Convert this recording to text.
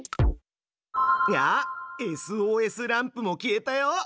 あっＳＯＳランプも消えたよ。